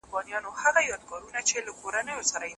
او مخاطب یې لوستونکي او اورېدونکي دي